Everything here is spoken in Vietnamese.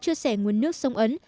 chia sẻ nguồn nước sông ấn